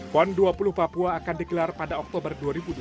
kon dua puluh papua akan dikelar pada oktober dua ribu dua puluh satu